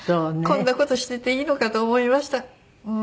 こんな事していていいのかと思いました。